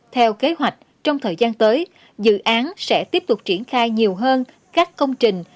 theo kế hoạch trong thời gian tới dự án sẽ tiếp tục triển khai nhiều hơn các công trình